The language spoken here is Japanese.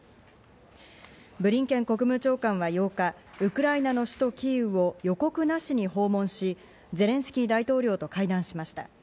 ブリンケン国務長官は８日、ウクライナの首都キーウを予告なしに訪問し、ゼレンスキー大統領と会談しました。